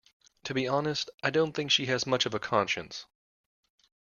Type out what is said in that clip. To be honest, I don’t think she has much of a conscience.